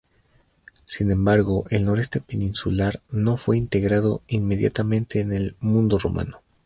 Sin embargo el noroeste peninsular no fue integrado inmediatamente en el mundo romano.